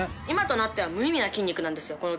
今となっては無意味な筋肉なんですよ